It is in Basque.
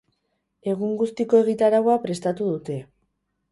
Egun guztiko egitaraua prestatu dute